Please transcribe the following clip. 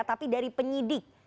tapi dari penyidik